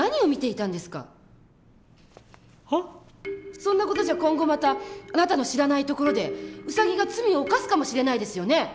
そんな事じゃ今後またあなたの知らないところでウサギが罪を犯すかもしれないですよね？